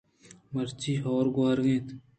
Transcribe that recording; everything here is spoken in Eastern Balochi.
مرچی ھور گوارگ ءَ اِنت